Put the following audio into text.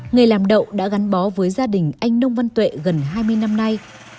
nghề làm đậu đã gắn bó với gia đình anh nông văn tuệ gần hai mươi năm nay